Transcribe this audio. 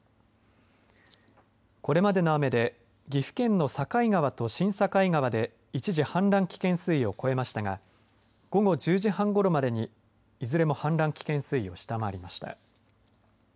これまでの雨で岐阜県の境川と新境川で１時、氾濫危険水位を超えましたが午後１０時半ごろまでにいずれも氾濫危険水位を下回りました。